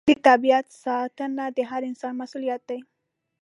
د طبیعت ساتنه د هر انسان مسوولیت دی.